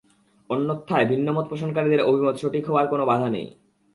অন্যথায় ভিন্নমত পোষণকারীদের অভিমত সঠিক হওয়ায় কোন বাধা নেই।